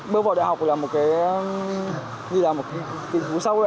bước vào đại học là một tình huống sâu